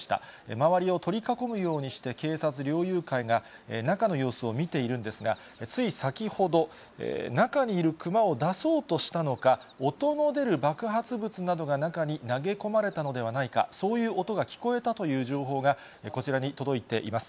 周りを取り囲むようにして警察、猟友会が中の様子を見ているんですが、つい先ほど、中にいるクマを出そうとしたのか、音の出る爆発物などが中に投げ込まれたのではないか、そういう音が聞こえたという情報が、こちらに届いています。